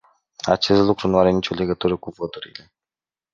Acest lucru nu are nicio legătură cu voturile.